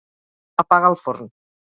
Apaga el forn.